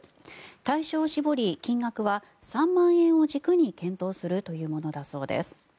対象を絞り金額は３万円を軸に検討するというものだそうです。